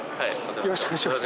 よろしくお願いします。